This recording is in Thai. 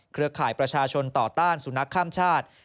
ข่ายประชาชนต่อต้านสุนัขข้ามชาติ